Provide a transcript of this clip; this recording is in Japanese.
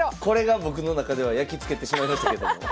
これが僕の中ではやきつけてしまいましたけども。